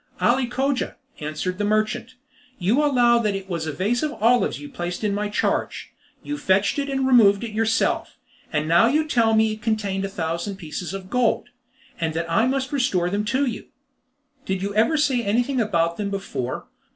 "Ali Cogia," answered the merchant, "you allow that it was a vase of olives you placed in my charge. You fetched it and removed it yourself, and now you tell me it contained a thousand pieces of gold, and that I must restore them to you! Did you ever say anything about them before?